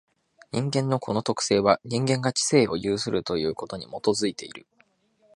人間のこの特性は、人間が知性を有するということに基いている。